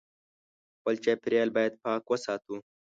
خپل چاپېریال باید پاک وساتو